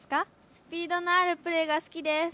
スピードのあるプレーが好きです。